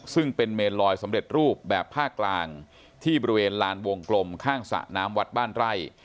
ซึ่งเป็นเมนลอยสำเร็จรูปแบบภาคกลางที่บริเวณลานวงกลมข้างสระน้ำวัดบ้านไร่